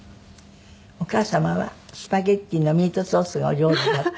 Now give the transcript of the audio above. お母様はスパゲティのミートソースがお上手だった。